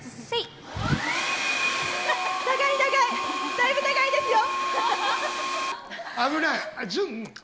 だいぶ長いですよ。